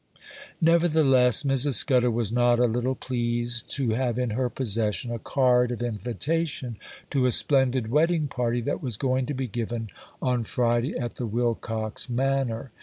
Nevertheless, Mrs. Scudder was not a little pleased to have in her possession a card of invitation to a splendid wedding party that was going to be given on Friday at the Wilcox Manor.